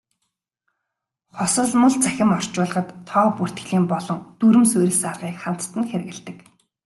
Хосолмол цахим орчуулгад тоо бүртгэлийн болон дүрэм суурилсан аргыг хамтад нь хэрэглэдэг.